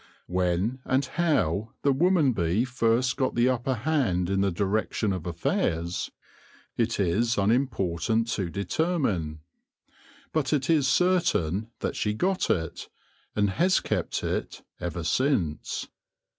When and how the woman bee first got the upper hand in the direction of affairs, THE COMMONWEALTH OF THE HIVE 57 it is unimportant to determine. But it is certain that she got it, and has kept it ever since.